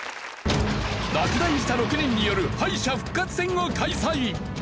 落第した６人による敗者復活戦を開催！